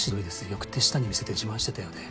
よく手下に見せて自慢してたようで。